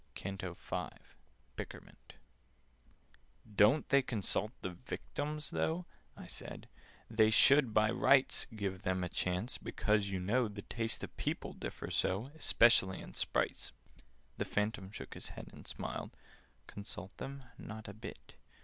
CANTO V Byckerment "DON'T they consult the 'Victims,' though?" I said. "They should, by rights, Give them a chance—because, you know, The tastes of people differ so, Especially in Sprites." The Phantom shook his head and smiled. "Consult them? Not a bit!